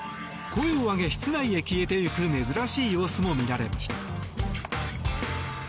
声を上げ室内へ消えていく珍しい様子も見られました。